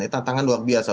ini tantangan luar biasa